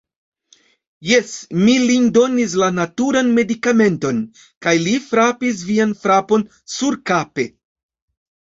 Jes, mi lin donis la naturan medikamenton. Kaj li frapis vian fraton surkape.